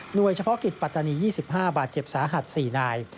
โดยเฉพาะกิจปัตตานี๒๕บาดเจ็บสาหัส๔นาย